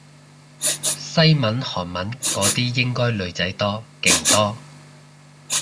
西文韓文嗰啲應該女仔多勁多